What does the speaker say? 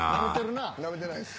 なめてないです。